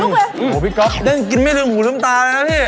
ออโหพี่เก๊าะเด้นกินไม่ต้องหมู่ท้ำตาเลยนะพี่